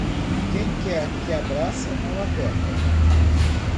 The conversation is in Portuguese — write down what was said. Quem quer que abraça, não aperta.